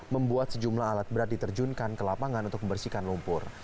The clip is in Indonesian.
membuat sejumlah alat berat diterjunkan ke lapangan untuk membersihkan lumpur